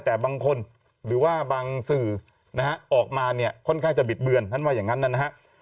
แต่บางคนหรือว่าบางสื่อนะฮะออกมาเนี่ยค่อนข้างจะบิดเบือนท่านว่าอย่างนั้นนะฮะ